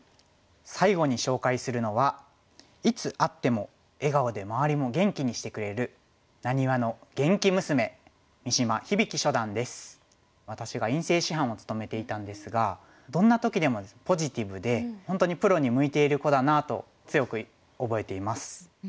最後に紹介するのはいつ会っても笑顔で周りも元気にしてくれる私が院生師範を務めていたんですがどんな時でもポジティブで本当にプロに向いている子だなと強く覚えています。